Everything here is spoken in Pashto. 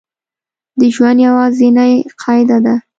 د ژوند یوازینۍ قاعده ده